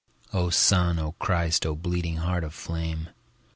O Sun, O Christ, O bleeding Heart of flame!